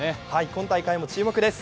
今大会も注目です。